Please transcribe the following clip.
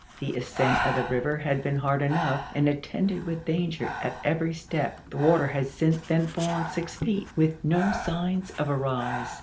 The ascent of the river had been hard enough and attended with danger at every step ; the water had since then fallen six feet, with no signs of a rise.